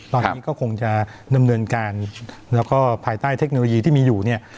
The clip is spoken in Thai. ตอนนี้ก็คงจะดำเนินการแล้วก็ภายใต้เทคโนโลยีที่มีอยู่เนี่ย